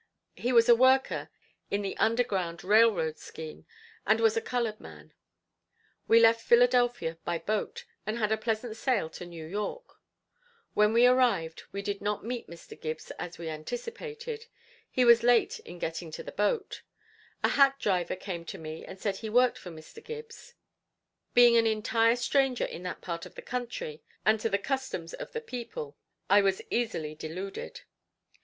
He was a worker in the Under Ground Railroad scheme, and was a colored man. We left Philadelphia by boat, and had a pleasant sail to New York. When we arrived, we did not meet Mr. Gibbs as we anticipated. He was late in getting to the boat. A hack driver came to me and said he worked for Mr. Gibbs. Being an entire stranger in that part of the country, and to the customs of the people, I was easily deluded.